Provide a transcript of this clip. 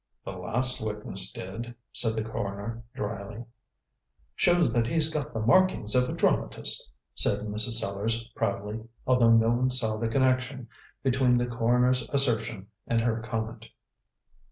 "The last witness did," said the coroner dryly. "Shows that he's got the makings of a dramatist," said Mrs. Sellars proudly, although no one saw the connection between the coroner's assertion and her comment.